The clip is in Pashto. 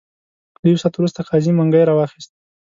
له یو ساعت وروسته قاضي منګی را واخیست.